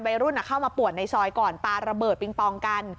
รุ่นเข้ามาปวดในซอยก่อนปลาระเบิดปิงปองกัน